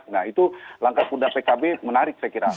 nah itu langkah kuda pkb menarik saya kira